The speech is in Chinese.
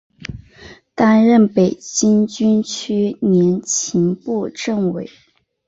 担任北京军区联勤部政委。